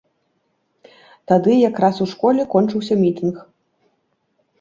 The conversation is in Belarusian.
Тады якраз у школе кончыўся мітынг.